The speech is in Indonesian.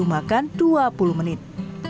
makan dua puluh menit